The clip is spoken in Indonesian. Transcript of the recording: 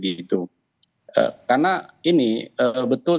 karena ini betul tadi bahwa ketika evaluasi tentu kita harus jujur begitu ya